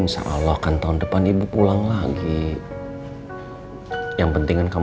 sekali lagi terima kasih sudah antar saya sampai sini ya pak